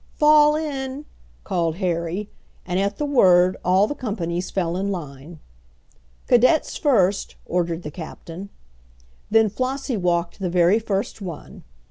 "Fall in!" called Harry, and at the word all the companies fell in line. "Cadets first," ordered the captain. Then Flossie walked the very first one.